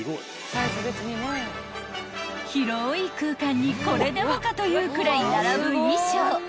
［広い空間にこれでもかというくらい並ぶ衣装］